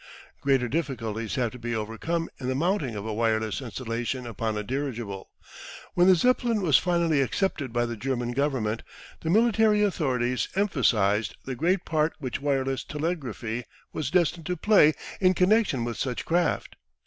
Greater difficulties have to be overcome in the mounting of a wireless installation upon a dirigible. When the Zeppelin was finally accepted by the German Government, the military authorities emphasised the great part which wireless telegraphy was destined to play in connection with such craft.